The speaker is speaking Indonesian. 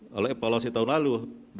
kalau evaluasi tahun lalu